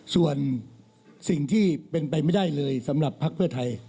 ส่วนสิ่งที่เป็นไปไม่ได้เลยสำหรับภักดิ์เพื่อไทย